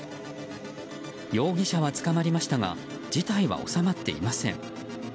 容疑者は捕まりましたが事態は収まっていません。